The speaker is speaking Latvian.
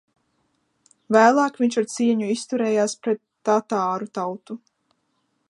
Vēlāk viņš ar cieņu izturējās pret tatāru tautu.